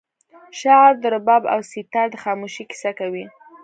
شعر د رباب او سیتار د خاموشۍ کیسه کوي